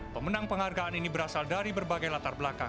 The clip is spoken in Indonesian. pemenang penghargaan ini berasal dari berbagai latar belakang